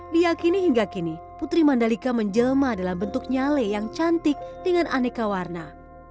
diakini hingga kini putri mandalika menjelma dalam bentuk nyale yang cantik dengan aneka warna